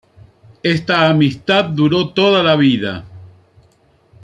Esta amistad duró toda la vida.